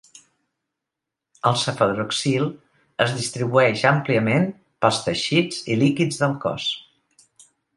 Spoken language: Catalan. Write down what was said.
El Cefadroxil es distribueix àmpliament pels teixits i líquids del cos.